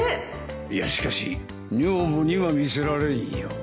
いやしかし女房には見せられんよ。